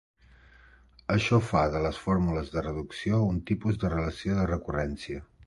Això fa de les fórmules de reducció un tipus de relació de recurrència.